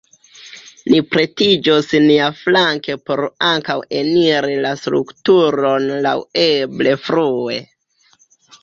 Ni pretiĝos niaflanke por ankaŭ eniri la strukturon laŭeble frue.